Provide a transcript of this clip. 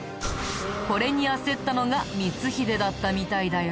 これに焦ったのが光秀だったみたいだよ。